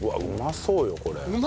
うまそう！